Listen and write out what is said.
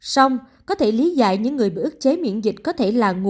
song có thể lý giải những người bị ước chế miễn dịch